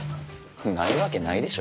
ないわけないでしょ。